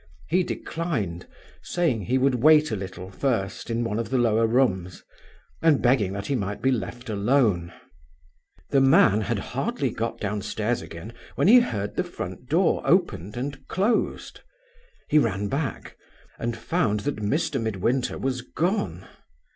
He declined, saying he would wait a little first in one of the lower rooms, and begging that he might be left alone. The man had hardly got downstairs again when he heard the front door opened and closed. He ran back, and found that Mr. Midwinter was gone.